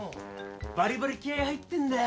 バリバリ気合入ってんだ。